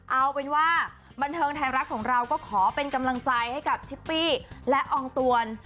เอาเป็นว่าบันเทิงไทยรัฐของเราก็ขอเป็นกำลังใจให้กับชิปปี้และอองตวน